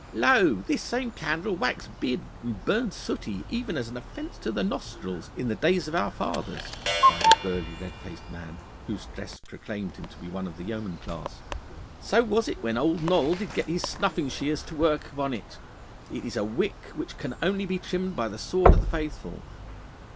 'Lo, this same candle waxed big and burned sooty, even as an offence to the nostrils, in the days of our fathers,' cried a burly red faced man, whose dress proclaimed him to be one of the yeoman class. 'So was it when Old Noll did get his snuffing shears to work upon it. It is a wick which can only be trimmed by the sword of the faithful.